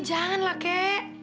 jangan lah kek